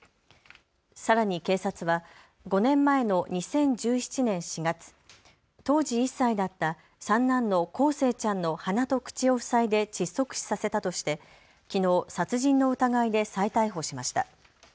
さらに警察は５年前の２０１７年４月、当時１歳だった三男の康生ちゃんの鼻と口を塞いで窒息死させたとしてきのう殺人の疑いで再逮捕しました。